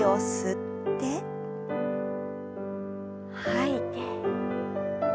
吐いて。